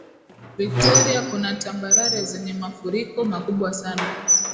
viktoria kuna tambarare zenye mafuriko makubwa sana